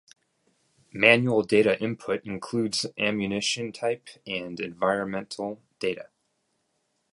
Manual data input includes ammunition type and environmental data.